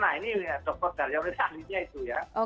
nah ini dokter dari unit ahlinya itu ya